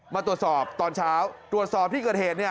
มาตรวจสอบตอนเช้าตรวจสอบที่เกิดเหตุ